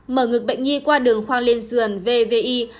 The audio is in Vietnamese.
mở ngược bệnh nhi qua đường khoang lên sườn vvi